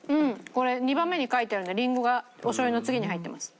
これ２番目に書いてあるんでリンゴがおしょう油の次に入ってます。